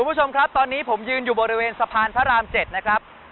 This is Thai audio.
คุณผู้ชมครับตอนนี้ผมยืนอยู่บริเวณสะพานพระราม๗นะครับ